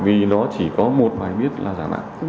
vì nó chỉ có một bài viết là giả mạo